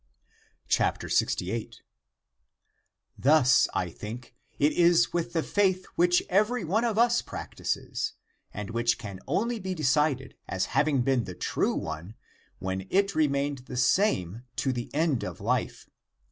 l64 THE APOCRYPHAL ACTS 68. " Thus, I think, it is with the faith which every one of us practices, and which can only be decided as having been the true one when it re mained the same to the end of Hfe.